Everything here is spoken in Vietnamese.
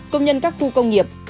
công nhân các khu công nghiệp